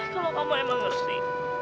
kalau kamu emang ngerti